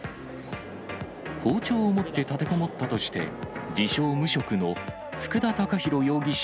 包丁を持って立てこもったとして、自称無職の福田尚宏容疑者